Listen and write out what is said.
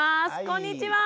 こんにちは。